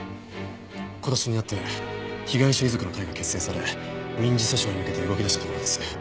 今年になって被害者遺族の会が結成され民事訴訟に向けて動き出したところです。